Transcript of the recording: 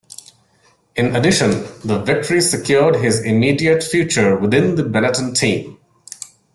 In addition, the victory secured his immediate future within the Benetton team.